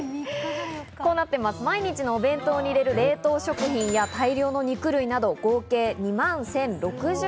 毎日のお弁当に入れる冷凍食品や、大量の肉類など、合計２万１０６３円。